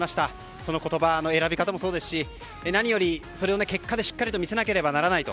その言葉の選び方もそうですし何よりそれを結果でしっかりと見せなければならないと。